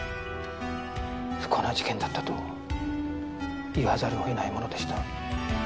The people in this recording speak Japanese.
不幸な事件だったと言わざるをえないものでした。